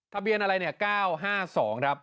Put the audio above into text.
ทะเบียนอะไรเนี่ย๙๕๒ครับ